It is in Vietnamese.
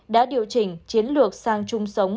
đã điều chỉnh chiến lược sang chung sống